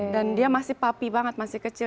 dan dia masih papi banget masih kecil